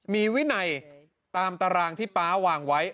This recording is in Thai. มีวินัยตามตารางที่ป๊าวางไว้